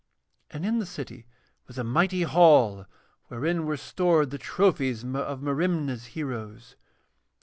And in the city was a mighty hall wherein were stored the trophies of Merimna's heroes.